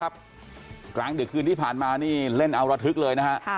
กลางดึกคืนที่ผ่านมานี่เล่นเอาระทึกเลยนะฮะ